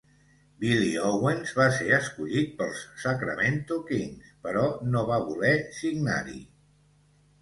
Billy Owens va ser escollit pels Sacramento Kings, però no va voler signar-hi.